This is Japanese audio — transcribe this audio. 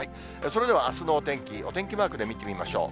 それでは、あすのお天気、お天気マークで、見てみましょう。